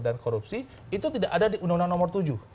dan korupsi itu tidak ada di undang undang nomor tujuh